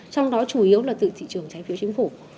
trong đó chủ yếu là từ thị trường trái phiếu chính phủ